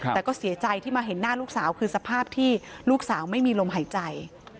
แต่ก็เสียใจที่มาเห็นหน้าลูกสาวคือสภาพที่ลูกสาวไม่มีลมหายใจ